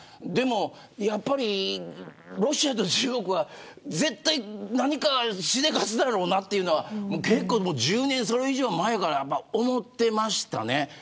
でも、やっぱりロシアと中国は絶対、何かしでかすだろうなと結構、１０年それ以上前から思ってましたね。